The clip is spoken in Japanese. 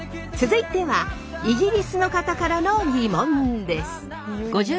続いてはイギリスの方からのギモンです。